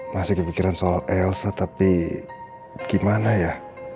masih kepikiran soal elsa tapi gimana ya